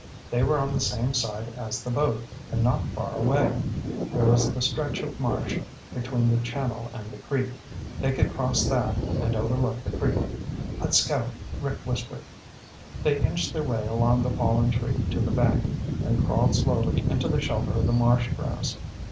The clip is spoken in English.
They were on the same side as the boat, and not far away. There was the stretch of marsh between the channel and the creek. They could cross that, and overlook the creek. "Let's go," Rick whispered. They inched their way along the fallen tree to the bank, then crawled slowly into the shelter of the marsh grass.